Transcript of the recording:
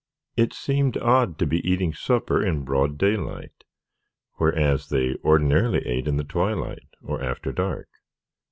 It seemed odd to be eating supper in broad daylight, whereas they ordinarily ate in the twilight or after dark.